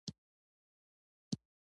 لکه د ستورو ډکه مځکه